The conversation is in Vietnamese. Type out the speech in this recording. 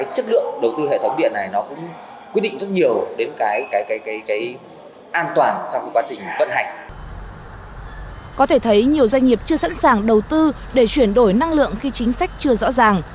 có thể thấy nhiều doanh nghiệp chưa sẵn sàng đầu tư để chuyển đổi năng lượng khi chính sách chưa rõ ràng